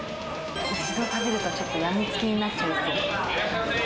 一度食べると、ちょっと病みつきになっちゃいそう。